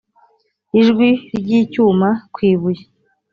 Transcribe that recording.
ijwi ry'icyuma ku ibuye,